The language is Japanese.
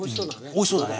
おいそうだね。